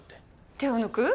手を抜く？